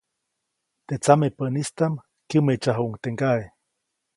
Teʼ tsamepäʼnistaʼm kyämeʼtsajuʼuŋ teʼ ŋgaʼe.